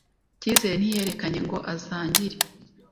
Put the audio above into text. Cyizere ntiyerekanye ngo asangire.